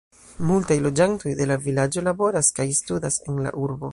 Multaj loĝantoj de la vilaĝo laboras kaj studas en la urbo.